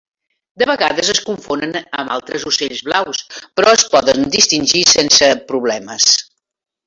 De vegades es confonen amb altres ocells blaus, però es poden distingir sense problemes.